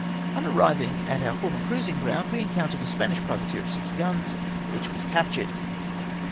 On arriving at our former cruising ground, we en countered a Spanish privateer of six guns, which was captured.